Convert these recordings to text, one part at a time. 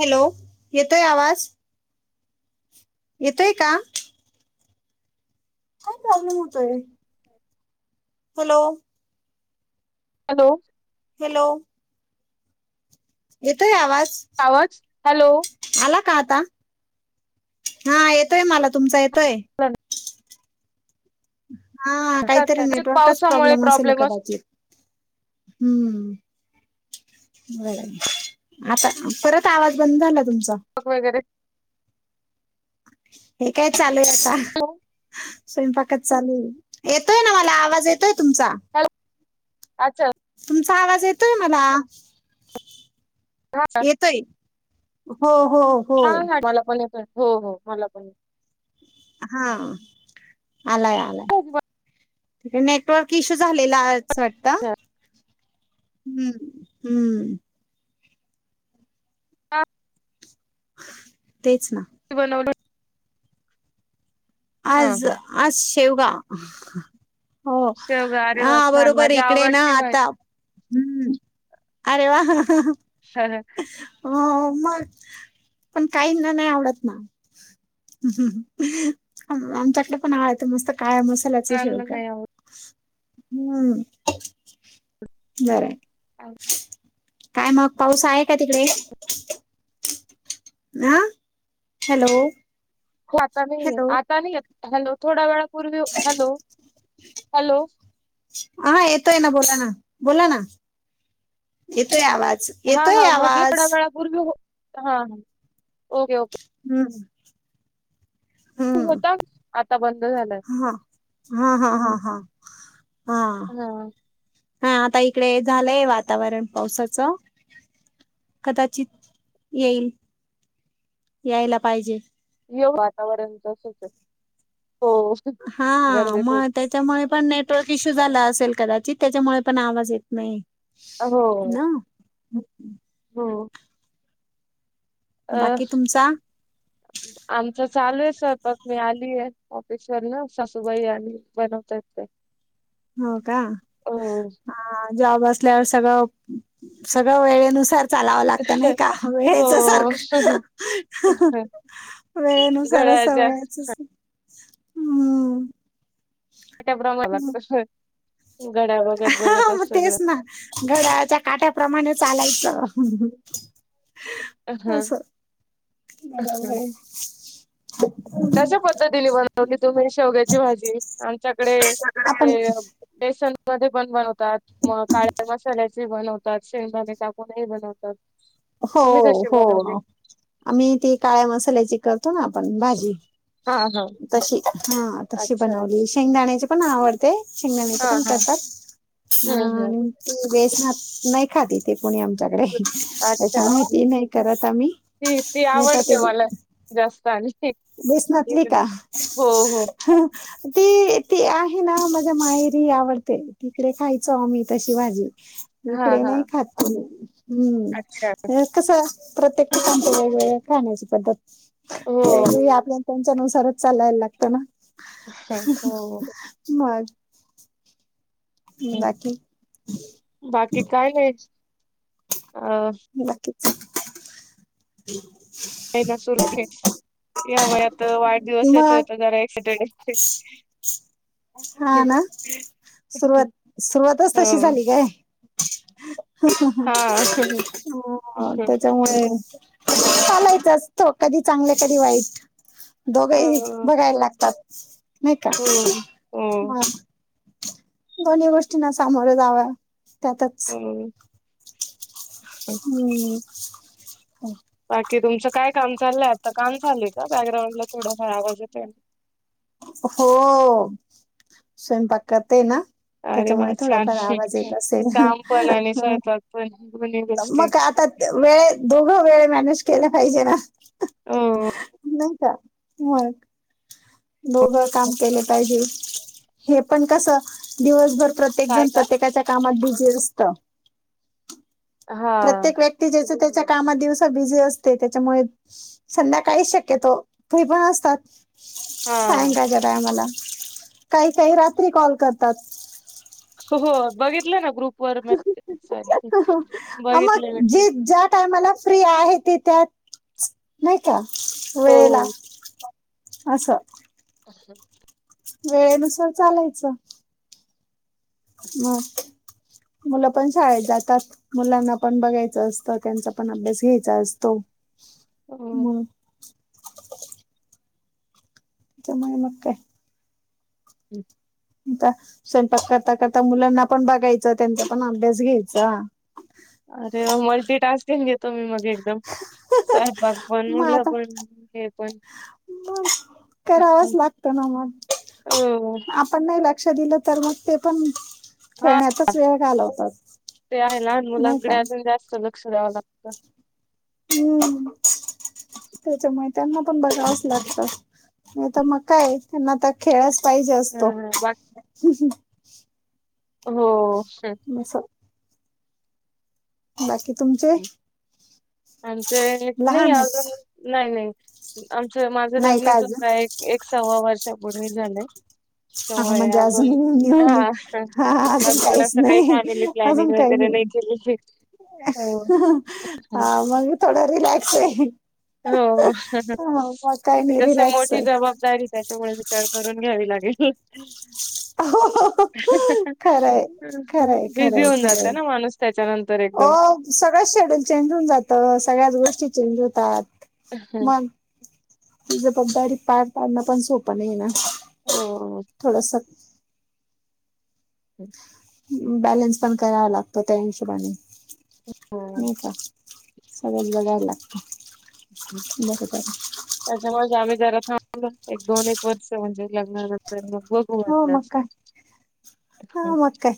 Hello? येतोय आवाज? येतय का? काय, प्रॉब्लेम होतोय? [inaudible] हॅलो? हॅलो? हॅलो? येतोय आवाज? आवाज, हॅलो? आला आता हा येतोय, मला तुम ह. [inaudible] हा काहीतरी करताय नेटवर्कच पावसामुळे प्रॉब्लेम असेल कदाचित. ! हम्म. बरं, आता परत आवाज बंद झाला तुमचा क वगैरे [unintelligible] हे काय चालू आहे आता, स्वयंपाक चालू येतोय ना, मला आवाज येतोय तुमचा? हॅलो अच्छा. तुमचा आवाज येतोय मला, येतोय. हो हो हो हा, हा, मला पण येतोय, हो, हो मला पण- हा आलाय आलाय. ठी नेटवर्क इशू झालेला अस वाटतं? हम्म, हम्म. [inaudible] बनवलं. हा आज हा आज शेवगा हो, शेवगा अरे वा हा छान बरोबर माझी इकडे ना आवडती आता भाजी हम्म, अरे वा! हो मग, पण काहींना नाही आवडत ना. आमच्याकडे पण [unintelligible] मस्त काळ्या मसाल्याचा मुलांना शेवगा. नाही आवडत हम्म, बरं. [unintelligible] काय मग पाऊस आहे का तिकडे? आ, हॅलो. हो आता नाही हॅलो आता नाही हॅलो, थोड्या वेळात पूर्वी हॅलो, हॅलो. हा येतोय ना बोला ना बोला ना येतोय आवाज. हा हा येतोय म्हटले आवाज थोड्या वेळापूर्वी हा ह ओके ओके. हम्म. तू हम्म होता आता बंद झालय. हा हा हा हा हा हा. हा आता इकडे झालंय वातावरण पावसाचं. कदाचित येईल यायला पाहिजे. वातावरण तसच आहे. हो हा गरज आहे खूप. मग त्याच्यामुळे पण नेटवर्क इश्यू झाला. असल कदाचित त्याच्यामुळे पण आवाज येत नाही. हो. हा. हो. अ बाकी तुमचा आमचाच चालू आहे स्वयंपाक मी आलीय ऑफिस वरन सासूबाई आली बनवताय ते. हो का, हो. हा जॉब असल्यास [unintelligible] सगळ वेळेनुसार चालाव लागत नाही का वेळेच हो. सारखं, वेळेनुसार घड्याळाच्या सवय हम्म. ट ब्रमा लागतो. [unintelligible] ह मग तेच ना घड्याळाच्या काट्याप्रमाणे चालायचं. हम्म. बरो [unintelligible] कशी पद्धतीने बनवलीस? तुम्ही शेवग्याची भाजी आमच्याकडे आपण ते बेसन मध्ये पण बनव तात मग काळ्या मसाल्याचे बनवतात, शेंगदाणे टाकूनहे बनवतात. हो तुम्ही कशी हो, बनवली? आम्ही ती काळ्या मसाल्याची करतो ना आपण भाजी. हा हा. तशी हा तशी अच्छा अच्छा. बनवली शेंगदाण्याची पण आवडते शेंगदाण्याचे हा पण कर हा. हम्म हा हम्म. नाही बेस [unintelligible] नाही खाताती तेे कुणी आमच्याकडे. अच्छा ते नाही करत आम्ही, ती ती नाही त ते आवडते मला जास्त आणि बेसनातली इकडे का? हो हो. ती ती आहे ना माझ्या माहेरी आवडते तिकडे खायचो आम्ही तशी भाजी. हां इकडे नाही हां. खात कोणी, अच्छा. हम्म कस प्रत्येक ठिकाणची वेगवेगळ्या खाण्याची पद्धत हो. आपल्या त्यांच्या नुसारच चालायला लागत ना हा, हो. मग. बाकी बाकी काय नाही अ बाकीच [unintelligible] या महिन्यात आता वाढदिवस मग येतोय जरा एक्साईटेड आहे [inaudible] हा ना सुरुवात सुरुवातच तशी हो. झाली काय हां. त्याच्यामुळे चालायचं असत कधी चांगलं कधी वाईट अ दोघंही बघायला लागतात नाही का हो. हो. हा दोन्ही गोष्टींना सामोरं जाव त्यातच हम हम्म बाकी तुमचं काय काम चाललंय आता काम चालय का बॅकग्राउंडला थोड हरावाज येत हो स्वयंपाकात आहे ना अरे त्याच्यामुळे वा छान. थोडाफार आवाज येत असेल काम पण आणि स्वयंपाक पण दोन्ही गोष्टी. मग आ आता वेळ दोघं वेळ मॅनेज केला पाहिजे ना ह नाही का म दोघ काम केले पाहिजे हे पण कस दिवसभर प्रत्येक काय जण काय? प्रत्येकाच्या कामात बझी असत हा प्रत्येक व्यक्ती जसे च्या कामात दिवसा बिझी असते त्याच्यामुळे संध्याकाळी शक्यतो फ पण असतात सांय हा का गदाय मला काही काही रात्री कॉल करतात हो बघितलं ना ग्रुप वर मेसेज सॉरी मग बघितले जे मेसेज ज्या टायमाला फ्री आहे त त्यात नाही का हो वेळेला हो. असं असं वेळेनुसार चालायचं म मुलं पण शाळेत जातात मुलांना पण बघायचं असतं त्यांचा पण अभ्यास घ्यायचा असतो हो मग तच्या मई मकय हम् आता स्वयंपाक करता करता मुलांना पण बघायचं त्यांचा पण अभ्यास घ्यायचा अरे मल्टी टास्किंग घेतो मी मग एकदम साहेबाग बन मग मुलं आता पण हे पण मग करावाच लागत ना मग हो आपण नाही लागत लक्ष दिलं तर मग ते पण हा. खेळण्यातचाच वेळ घालवतात नाही का अ हम्म त्याच मा त्यांना पण बघावंच लागत आता मग काय त्यांना आ खेळच पाहिजे असतो अ बाकी हो बस बाकी तुमचे आमचे नाही लहान अजून आहेत नाही नाही आमचं माझं नाही लग्न का अजून झा एक सव्वा वर्षापूर्वी झाले हा त्यामुळे म्हणजे अज अजून हा निवली हा अजून काहीच असं काही नाही फॅमिली प्लॅनिंग अजून काही वगैरे नाही के हा मग थोडा रिलॅक्स आहे होस मग काय नाही रिलॅक्स मोठी आहे जबाबदारी त्याच्यामुळे विचार करून घ्यावी लागेल. खरंय खरंय बिझी होऊन जात ना माणूस त्याच्यानंतर अ एकदम सगळं शेड्यूल चेंज होऊन जातं सगळ्याच गोष्टी चेंज होतात. हम्म. मग जबाबदारी पार पाडणं पण सोपं नाही ना हो. थोडस. हम्. बॅलेन्स पण करावा लागतो त्याहिशोबाने हो. नाही का? सगळच बघायला लागत बर. त्याच्यामुळे आम्ही जरा थांबलं एक दोन एक वर्ष म्हणजे लग्नान हो म्हटलं मग अस काय हा मग काय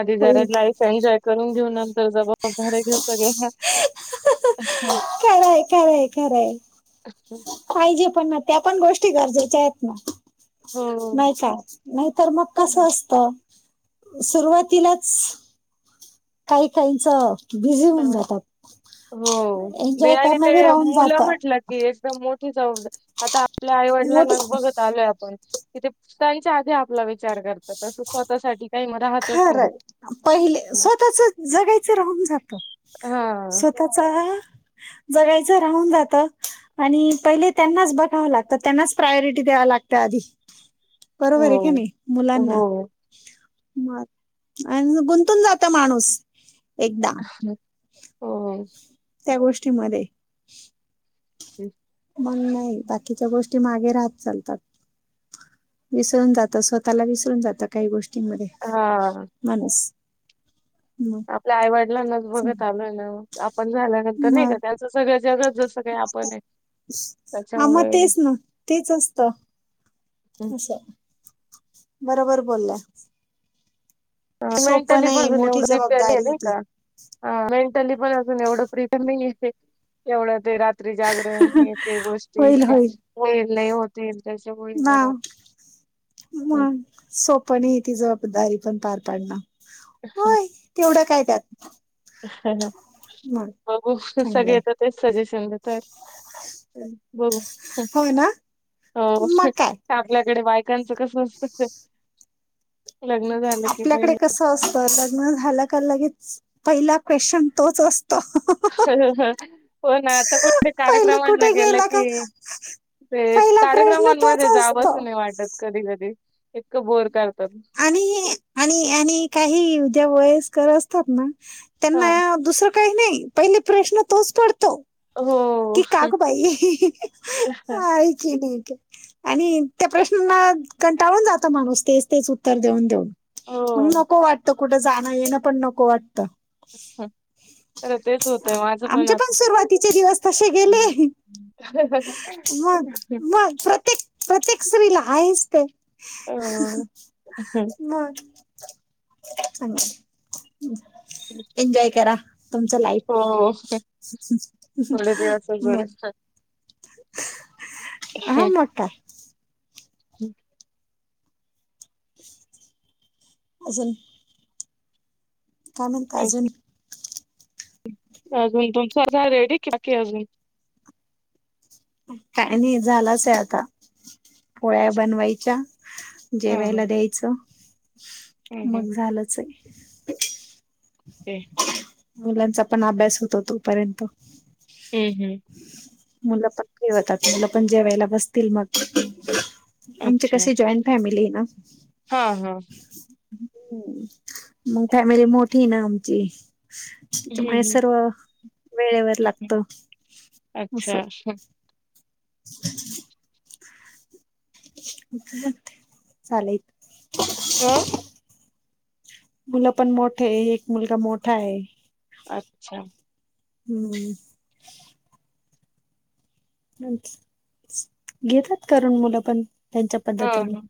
आधी जरा होईल लाईफ एन्जॉय करून घेऊ नंतर जबाबदारे घेऊ सगळ्या खरंय खरंय खरंय पाहिजे पण ना त्या पण गोष्टी गरजेच्या आहेत ना. हो. नाही का नाहीतर मग कसं असत. सुरुवातीलाच काही काहीच बिझी अ, होऊन जातात. हो एन्जॉय आणि करणं ते बी राहून मुलं जात म्हटलं की एकदम मोठी जबाबदारी आता आपल्या आईवडिलां मोठे न बघत आलोय आपण कि ते त्यांच्या आधी आपला विचार करतात असं स्वतःसाठी काही मग राहतच नाही. खरं पहिले स्वतःच जगायच राहून जाते. हा स्वतःचा जगायचं राहून जात आणि पहिले त्यांनाच बघावं लागत त्यांनाच प्रायोरिटी द्यायला लागते. लागतं आधी बरोबर हो आहे का नाही मुलांना हो मग आणि गुंतून जात माणूस एकदा हो. त्या गोष्टीमध्ये हम्. मग नाही बाकीच्या गोष्टी मागे राहत चालतात. विसरून जात स्वतःला विसरून जात काही गोष्टींमध्ये हा माणूस मग आपल्या आईवडिलांनाच बघत आलोय ना आपण झाल्यानंतर नाही मग का त्यांचं सगळं ज हा मग त्याच्यामुळे तेच ना तेच असत असं बरोबर बोलल्या. सोपं मेंटली नाही प्रीपेर मोठी एवढ तरी आहे जबाबदारी नाही ती का? ह मेंटली पण अजून एवढं प्रीपेर नाहीे एवढं ते रात्री. जागरण हे ते गोष्टी होईल नाही होतील. त्याच्यामुळे ह जरा हम्म. मग सोप नाही तिचं. दारी पण पार पाड होय तेवढ्या काय त्यात मग बघू सगळे चांगलंय येत तेच सजेस्ट चालं तर बघू. हो ना हो मग काय आपल्याकडे वाय. कांचं कसं असत. आपल्याकडे कस असत लग्न झाला का लगेच. पहिला क्वेश्चन तोच असतो. हो ना आ कुठं पहिले कार्यक्रमला कुठे गेल गेला का की ते पहिला प्रश्न तोच कार्यक्रमांमध्ये जाव असतो अस नाही वाटत कधी कधी इतकं बोर करत. आणि आणि आणि काही उद्या वयस्कर असतात ना. हा त्यांना दुसरं काही नाही पहिले प्रश्न तोच पडतो. हो, कि का गं बाई ऐकली. आणि त्या प्रश्नाला कंटाळून जातो माणूस तेच तेच उत्तर देऊन देऊन. मग हो. नको वाटत कुठे जाणं येणं पण नको वाटतं. अच्छा. आमच्या पण सुरुवातीचे दिवस तसे गेले. मग प्रत्येक प्रत्येक स्त्रीला आहेच ते ह हा हम्म हम, एन्जोय करा तुमच लाईफ हो. थोडे हाह दिवस हम अजून. बर. हा मोठा [inaudible] अजून काय म्हणता अजून? अजून झाला [unintelligible] रेडी बाकी अजून काय नाही झालाच आहे आता. पोळ्या अच्छा बनवायच्या हां, जेवायला हां. द्यायचं. हं, हं. मग झालंच आहे. ओके. मुलांचा पण अभ्यास होतो तोपर्यंत. हं, हं. मुलं पण फ्रि होतात मुलं पण जेवायला बसतील मग. आमचे अच्छा. कसे जॉईंट फॅमिली आहे ना. हां, हां. मग फॅमिली मोठी ना आमची. हं, त्यामुळे हं. सर्व वेळेवर लागत हं. असं अच्छा. [inaudible] चलायच अ? मुलं पण मोठे आहे एक मुलगा मोठा आहे. अच्छा. हम्म च घेतात करून मुलं पण त्यांच्या हां, पद्धतीने हां.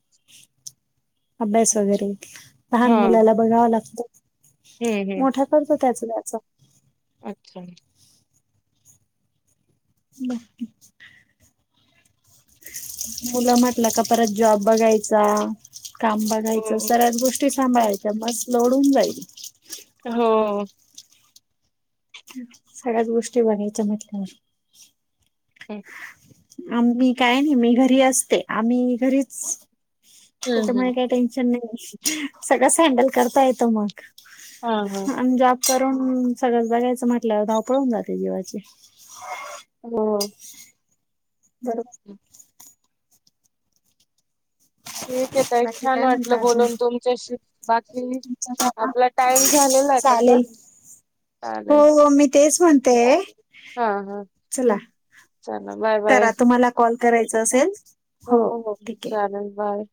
अभ्यास वगैरे अच्छा. लहान हां. मुलाला बघावं लागतं. हं, हं. मोठा करतो त्याचा त्याचा अच्छा. बाकी मुलं म्हटल का परत जॉब बघायचा काम हो, बघायचं सऱ्याच गोष्टी सांभाळायच्या मस लोढ होऊन जाईल. हो सगळ्यात गोष्टी बघायच्या म्हटल्यावर हम. आम्ही काय नाही मी घरी असते आम्ही घरीच हं, हं. त्याच्यामुळे काही टेन्शन नाही सगळंच हँडल करता येतं मग. हा हा आणि जॉब करून सगळंच बघायचं म्हटल्यावर धावपळून होऊन जाते जीवाची हो. बरोबर. ठीक आहेे ताई बाकी छान काय वाटलं म्हणता अजून बोलून तुमच्याशी. बाकी तुमचा आपला टाइम झालेला आहे तसा चालेल हो चालेल. हो मी तेच म्हणते हा हा चला चालेल बाय बाय करा तुम्हाला कॉल करायचा असेल हो हो ठीक आहे चालेल बाय.